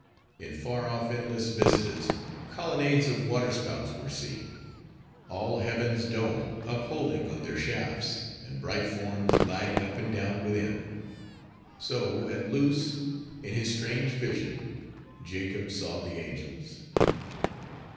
In far off, endless vistas, colonnades of water spouts were seen: all heaven's dome upholding on their shafts: and bright forms gliding up and down within. So at Luz, in his strange vision, Jacob saw the angels.